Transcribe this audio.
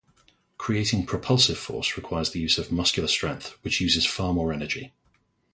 Creating propulsive force requires the use of muscular strength, which uses far more energy.